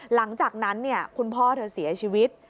หลังจากนั้นคุณพ่อเธอเสียชีวิต